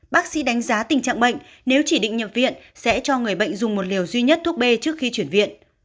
bác sĩ đánh giá tình trạng bệnh nếu chỉ định nhập viện sẽ cho người bệnh dùng một liều duy nhất thuốc b trước khi chuyển viện